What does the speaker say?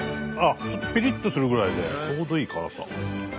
ちょっとピリッとするぐらいでちょうどいい辛さ。